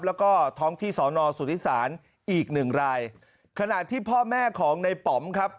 แล้วก็ท้องที่สอนอสุทธิศาลอีกหนึ่งรายขณะที่พ่อแม่ของในป๋อมครับ